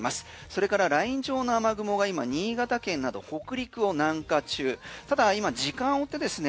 それからライン上の雨雲が今、新潟県など北陸を南下中ただいま時間を追ってですね